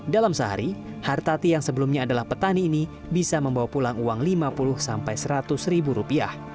dalam sehari hartati yang sebelumnya adalah petani ini bisa membawa pulang uang rp lima puluh sampai rp seratus